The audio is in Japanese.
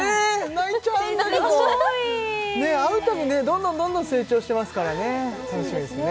泣いちゃうんだけどすごい！ねえ会う度ねどんどんどんどん成長してますからね楽しみですね